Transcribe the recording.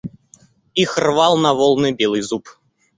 Их рвал на волны белый зуб.